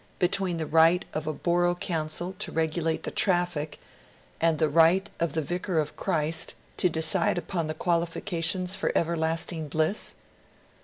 Between the right of a Borough Council to regulate the traffic and the right of the Vicar of Christ to decide upon the qualifications for Everlasting Bliss?